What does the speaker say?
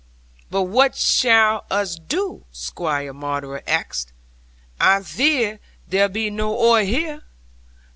'"But what shall us do?" Squire Maunder axed; "I vear there be no oil here."